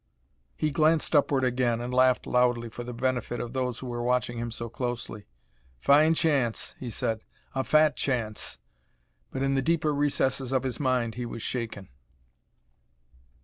He glanced upward again and laughed loudly for the benefit of those who were watching him so closely. "Fine chance!" he said; "a fat chance!" But in the deeper recesses of his mind he was shaken.